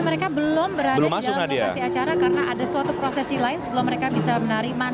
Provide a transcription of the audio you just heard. mereka belum berada dalam masalah dia acara karena ada suatu prosesi lain sebelum mereka bisa berjalan ke tempat lain